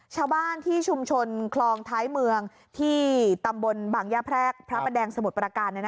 ชาวบ้านที่ชุมชนคลองท้ายเมืองที่ตำบลบางย่าแพรกพระประแดงสมุทรประการ